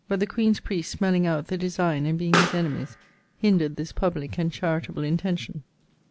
] the queen's priests smelling out the designe and being his enemies, hindred this publique and charitable intention.